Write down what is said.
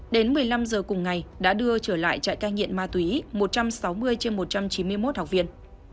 đến một mươi năm giờ cùng ngày đã đưa trở lại trại cai nghiện ma túy một trăm sáu mươi trên một trăm chín mươi một học viên